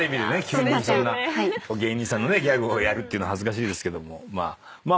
急にそんな芸人さんのねギャグをやるっていうのは恥ずかしいですけども。